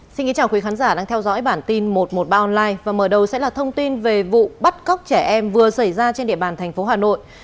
xin kính chào quý khán giả đang theo dõi bản tin một trăm một mươi ba online và mở đầu sẽ là thông tin về vụ bắt cóc trẻ em vừa xảy ra trên địa bàn thành phố hà nội